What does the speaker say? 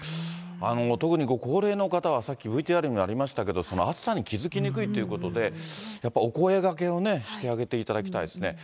特にご高齢の方は、さっきＶＴＲにもありましたけど、暑さに気付きにくいということで、やっぱお声がけをしてあげていただきたいですね。